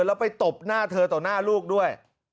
แล้วไปตบหน้าเธอต่อหน้าลูกด้วย